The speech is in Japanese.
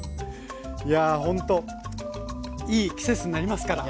いやあほんといい季節になりますから。